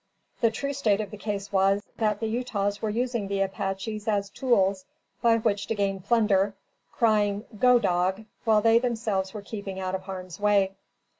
The true state of the case was, that the Utahs were using the Apaches as tools by which to gain plunder, crying "go dog," while they themselves were keeping out of harm's way.